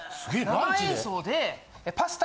生演奏で。